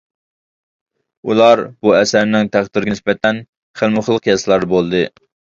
ئۇلار بۇ ئەسەرنىڭ تەقدىرىگە نىسبەتەن خىلمۇ خىل قىياسلاردا بولدى.